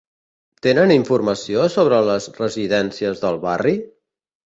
Tenen informació sobre les residències del barri?